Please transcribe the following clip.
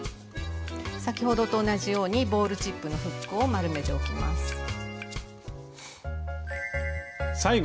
先ほどと同じようにボールチップのフックを丸めておきます。